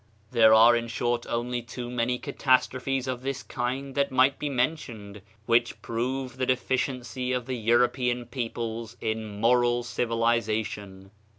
There are in short only too many catastrophes of this kind that might be mentioned which prove the deficiency of the European peoples in moral civilization.